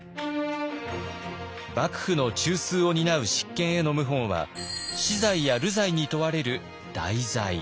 幕府の中枢を担う執権への謀反は死罪や流罪に問われる大罪。